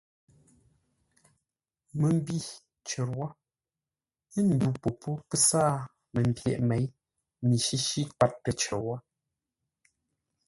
Məmbî cər wó ə́ ndu popó pə́ sáa məmbyeʼ měi mi shíshí kwatə cər wó.